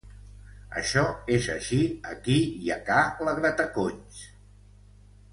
això és així aquí i a ca la grataconys